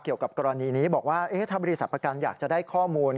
เกี่ยวกับกรณีนี้บอกว่าถ้าบริษัทประกันอยากจะได้ข้อมูล